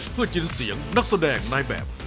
เพื่อจินเสียงนักแสดงนายแบบ